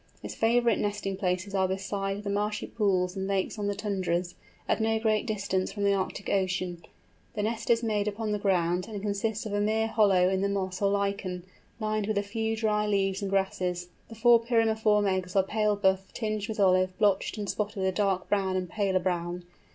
Its favourite nesting places are beside the marshy pools and lakes on the tundras, at no great distance from the Arctic Ocean. The nest is made upon the ground, and consists of a mere hollow in the moss or lichen, lined with a few dry leaves and grasses. The four pyriform eggs are pale buff, tinged with olive, blotched and spotted with dark brown and paler brown.